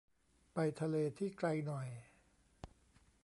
ไปทะเลที่ไกลหน่อย